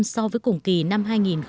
so với cùng kỳ năm hai nghìn một mươi tám